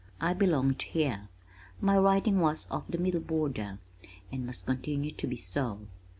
I belonged here. My writing was of the Middle Border, and must continue to be so.